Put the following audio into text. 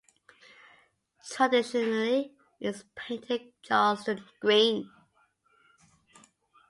Traditionally, it is painted Charleston green.